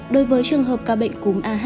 đối với trường hợp ca bệnh cúm ah chín